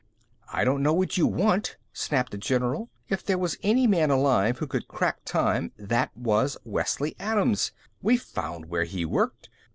"I don't know what you want," snapped the general. "If there was any man alive who could crack time, that man was Wesley Adams. We found where he worked.